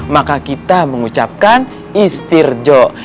maka kita mengucapkan istirjo